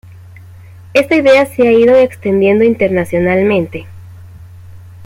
Esta idea se ha ido extendiendo internacionalmente.